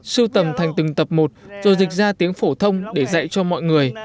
sưu tầm thành từng tập một rồi dịch ra tiếng phổ thông để dạy cho mọi người